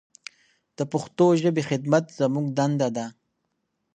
د پښتو ژبې خدمت زموږ دنده ده.